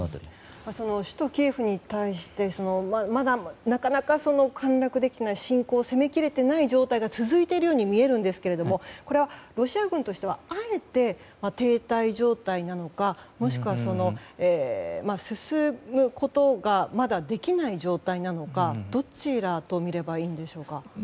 首都キエフに対してまだ、なかなか陥落できていない侵攻、攻め切れていない状態が続いているように見えるんですけれどもこれはロシア軍としてはあえて停滞状態なのかもしくは、進むことがまだできない状態なのかどちらと見ればいいんでしょうか？